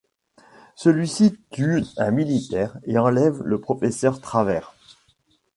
Celui-ci tue un militaire et enlève le professeur Travers.